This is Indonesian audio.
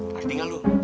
ngerti gak lu